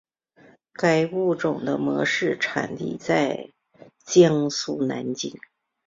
该物种的模式产地在江苏南京。